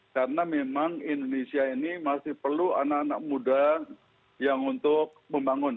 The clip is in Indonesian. karena memang indonesia ini masih perlu anak anak muda yang untuk membangun